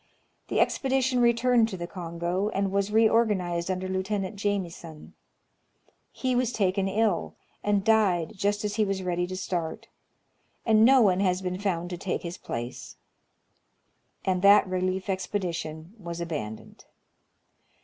The expedition returned to the Kongo, and was re organized under Lieut. Jamieson. He was taken ill, and died just as he was ready to start, and no one has been found to take his place; and that relief expedition was abandoned.